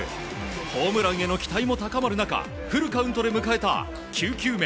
ホームランへの期待も高まる中フルカウントで迎えた９球目。